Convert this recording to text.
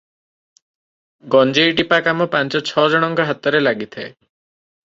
ଗଞ୍ଜେଇଟିପା କାମ ପାଞ୍ଚ ଛ ଜଣଙ୍କ ହାତରେ ଲାଗିଥାଏ ।